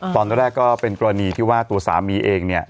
ตอนแรกก็เป็นกรณีที่ว่าตัวสามีเองเนี่ย